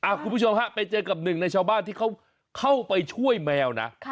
คุณผู้ชมฮะไปเจอกับหนึ่งในชาวบ้านที่เขาเข้าไปช่วยแมวนะ